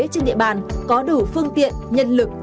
trên địa bàn có đủ phương tiện nhân lực